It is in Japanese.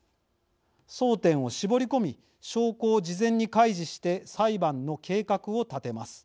争点を絞り込み証拠を事前に開示して裁判の計画を立てます。